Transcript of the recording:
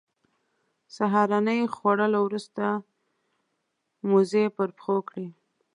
سهارنۍ خوړلو وروسته موزې پر پښو کړې.